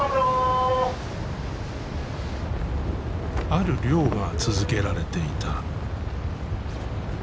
ある漁が続けられていた。